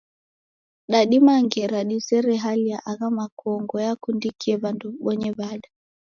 Dadima ngera dizere hali ya agho makongo yakundikie wandu wibonye wada?.